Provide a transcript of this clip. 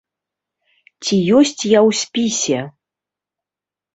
Ці ёсць я ў спісе?